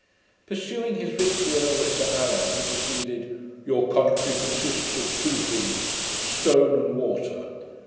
Pursuing his victory over Sir Allan, he proceeded: 'Your country consists of two things, stone and water.